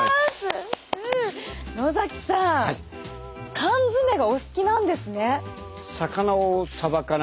野さん缶詰がお好きなんですね？